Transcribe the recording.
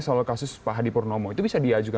soal kasus pak hadi purnomo itu bisa diajukan